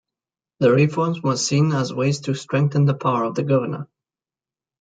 The reforms were seen as ways to strengthen the power of the Governor.